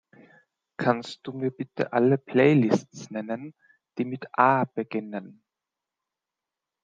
Kannst Du mir bitte alle Playlists nennen, die mit A beginnen?